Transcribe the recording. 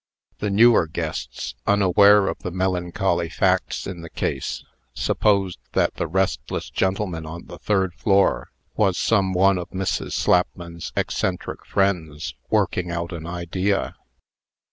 The newer guests, unaware of the melancholy facts in the case, supposed that the restless gentleman on the third floor was some one of Mrs. Slapman's eccentric friends, working out an idea.